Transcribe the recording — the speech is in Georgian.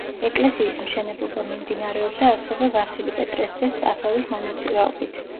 ეკლესიის მშენებლობა მიმდინარეობდა ასევე ვასილი პეტრეს ძე სტასოვის მონაწილეობით.